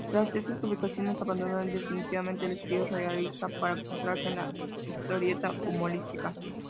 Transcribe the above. Tras estas publicaciones, abandonó definitivamente el estilo realista para centrarse en la historieta humorística.